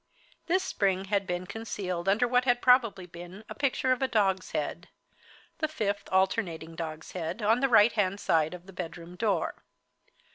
This spring had been concealed under what had probably been a picture of a dog's head; the fifth alternating dog's head on the right hand side of the bedroom door.